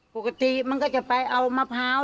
ปกติมันก็จะไปเอามะพร้าว